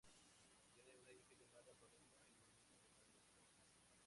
Tiene una hija llamada Paloma y un hijo llamado Nicolás.